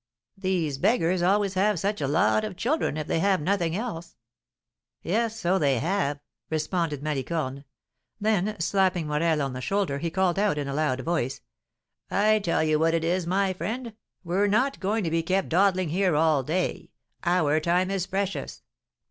"These beggars always have such a lot of children, if they have nothing else!" "Yes, so they have," responded Malicorne. Then, slapping Morel on the shoulder, he called out in a loud voice, "I tell you what it is, my friend, we're not going to be kept dawdling here all day, our time is precious.